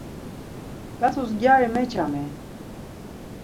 Ǩat̆us gyari meçami?